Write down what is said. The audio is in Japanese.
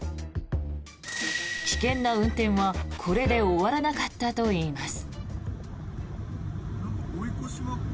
危険な運転は、これで終わらなかったといいます。